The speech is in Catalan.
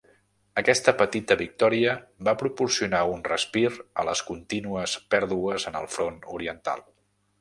Aquesta petita victòria va proporcionar un respir a les contínues pèrdues en el front oriental.